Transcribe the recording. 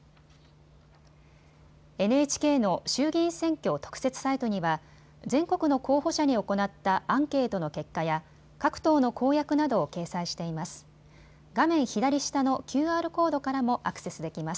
ＮＨＫの衆議院選挙・特設サイトには全国の候補者に行ったアンケートの結果や各党の公約などを掲載しています。